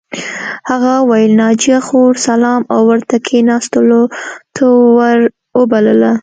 هغه وویل ناجیه خور سلام او ورته کښېناستلو ته ور وبلله